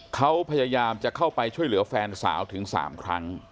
เขาพยายามจะเข้าไปช่วยเหลือแฟนสาวถึง๓ครั้ง